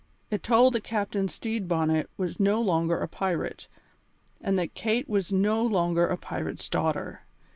It told that Captain Stede Bonnet was no longer a pirate, and that Kate was no longer a pirate's daughter.